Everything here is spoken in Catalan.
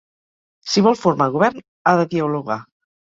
Si vol formar govern, ha de dialogar.